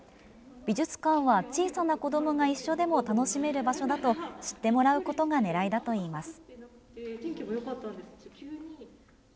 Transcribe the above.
美術館は小さな子どもが一緒でも楽しめる場所だと知ってもらうことがねらいだといいます。